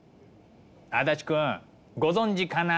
足立くんご存じかな？